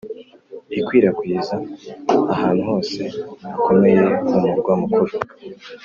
ikwirakwizwa ahantu hose hakomeye mu murwa mukuru.